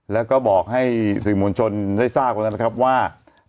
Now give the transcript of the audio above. แล้วก็บอกให้สื่อมวลชนได้ทราบแล้วนะครับว่า